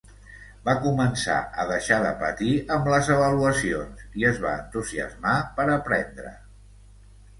Va començar a deixar de patir amb les avaluacions i es va entusiasmar per aprendre.